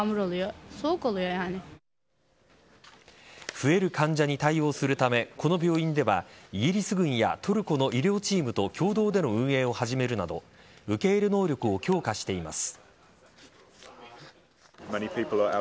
増える患者に対応するためこの病院ではイギリス軍やトルコの医療チームと共同での運営を始めるなど受け入れ能力を強化しています。